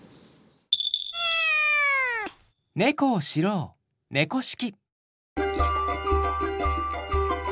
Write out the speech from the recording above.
猫を知ろう「猫識」。